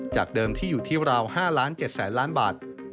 จากเดิมที่อยู่ที่ราว๕๗๐๐ล้านบาท